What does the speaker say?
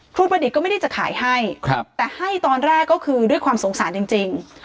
ประดิษฐ์ก็ไม่ได้จะขายให้แต่ให้ตอนแรกก็คือด้วยความสงสารจริง